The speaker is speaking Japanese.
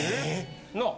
・なあ？